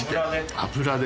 油で？